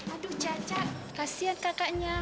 aduh caca kasian kakaknya